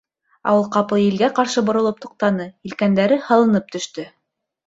Ә ул ҡапыл елгә ҡаршы боролоп туҡтаны, елкәндәре һалынып төштө.